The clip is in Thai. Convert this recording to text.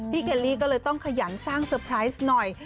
เคลลี่ก็เลยต้องขยันสร้างเซอร์ไพรส์หน่อย